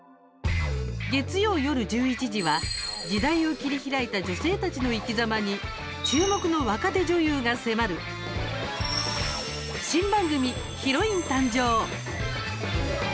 月曜夜１１時は時代を切り開いた女性たちの生きざまに注目の若手女優が迫る新番組「ヒロイン誕生！」。